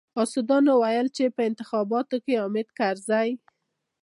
حاسدانو ويل چې په انتخاباتو کې حامد کرزي.